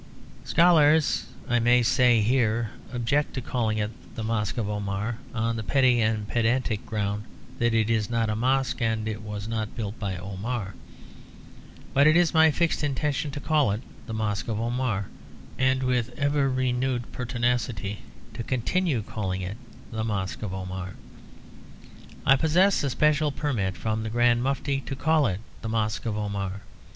Scholars, I may say here, object to calling it the Mosque of Omar; on the petty and pedantic ground that it is not a mosque and was not built by Omar. But it is my fixed intention to call it the Mosque of Omar, and with ever renewed pertinacity to continue calling it the Mosque of Omar. I possess a special permit from the Grand Mufti to call it the Mosque of Omar.